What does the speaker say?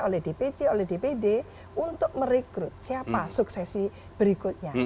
oleh dpc oleh dpd untuk merekrut siapa suksesi berikutnya